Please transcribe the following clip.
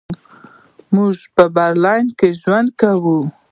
موږ برلین کې ژوند کوو.